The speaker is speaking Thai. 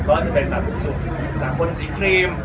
ก็จะเป็นแบบสุกสากลสีครีม